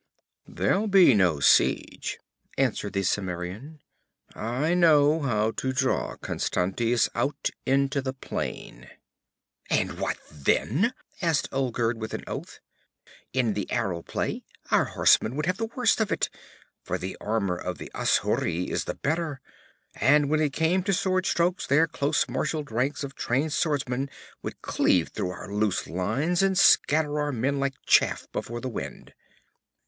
'There'll be no siege,' answered the Cimmerian. 'I know how to draw Constantius out into the plain.' 'And what then?' cried Olgerd with an oath. 'In the arrow play our horsemen would have the worst of it, for the armor of the asshuri is the better, and when it came to sword strokes their close marshaled ranks of trained swordsmen would cleave through our loose lines and scatter our men like chaff before the wind.'